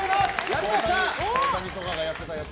やりました！